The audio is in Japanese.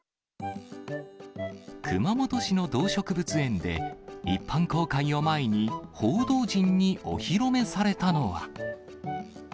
熊本市の動植物園で、一般公開を前に、報道陣にお披露目されたのは。